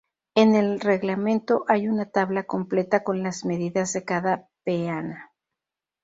En el reglamento hay una tabla completa con las medidas de cada peana.